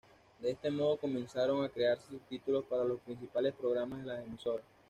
De este modo comenzaron a crearse subtítulos para los principales programas de las emisoras.